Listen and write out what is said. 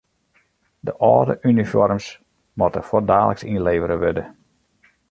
De âlde unifoarms moatte fuortdaliks ynlevere wurde.